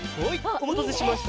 おまたせしました。